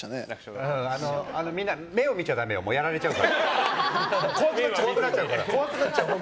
みんな、目を見ちゃだめだよ怖くなっちゃうから。